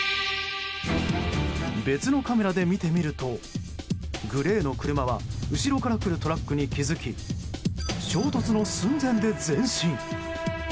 別のカメラで見てみるとグレーの車は後ろから来るトラックに気づき衝突の寸前で前進。